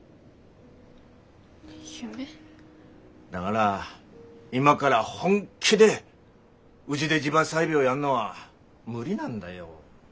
だがら今から本気でうぢで地場採苗やんのは無理なんだよ。